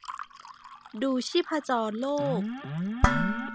ดูชีพจรโลก